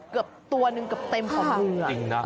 เกือบตัวนึงเต็มของมือ